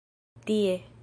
tie